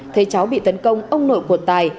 thấy cháu bị tấn công ông nội của tài